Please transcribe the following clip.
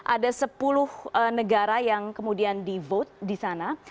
ada sepuluh negara yang kemudian di vote di sana